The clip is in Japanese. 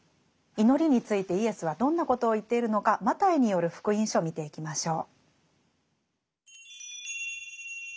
祈りについてイエスはどんなことを言っているのかマタイによる「福音書」見ていきましょう。